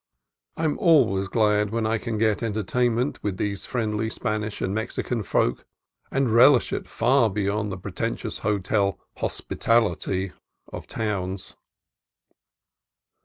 I am always glad when I can get entertainment with these friendly Spanish and Mexican folk, and relish it far beyond the preten tious hotel "hospitality" of towns.